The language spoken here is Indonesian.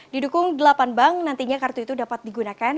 didukung delapan bank nantinya kartu itu dapat digunakan